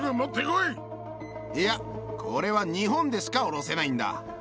いや、これは日本でしか下ろせないんだ。